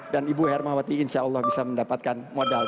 dan ibu hermawati insya allah bisa mendapatkan modal